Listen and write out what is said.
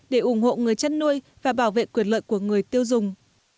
để ủng hộ người chăn nuôi và bảo vệ quyền lợi của người tiêu dùng